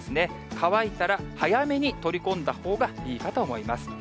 乾いたら早めに取り込んだほうがいいかと思います。